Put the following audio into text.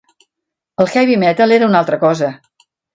El Heavy Metal era una altra cosa.